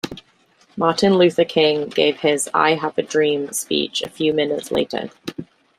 Martin Luther King gave his "I Have a Dream" speech a few minutes later.